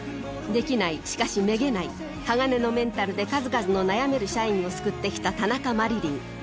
できないしかしめげない鋼のメンタルで数々の悩める社員を救って来た田中麻理鈴